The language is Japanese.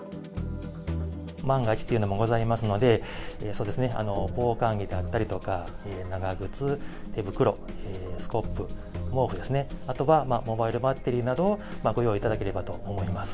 万が一というのもございますので、そうですね、防寒着であったりだとか、長靴、手袋、スコップ、毛布ですね、あとはモバイルバッテリーなどをご用意いただければと思います。